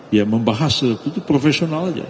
ya membahas itu itu profesional saja